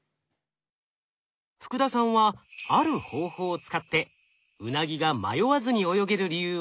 福田さんはある方法を使ってウナギが迷わずに泳げる理由を突き止めました。